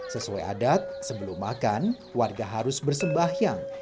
sesuai adat sebelum makan warga harus bersembahyang